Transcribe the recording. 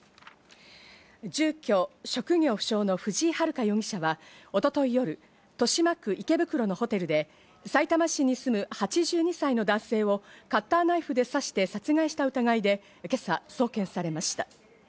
住居職業不詳の藤井遙容疑者は、一昨日夜、豊島区池袋のホテルでさいたま市に住む８２歳の男性をカッターナイフで刺して殺害した疑いで、今朝送検されました。